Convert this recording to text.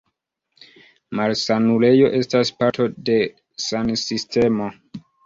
Malsanulejo estas parto de san-sistemo.